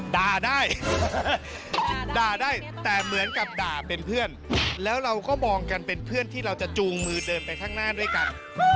ด่าได้ด่าได้แต่เหมือนกับด่าเป็นเพื่อนแล้วเราก็มองกันเป็นเพื่อนที่เราจะจูงมือเดินไปข้างหน้าด้วยกัน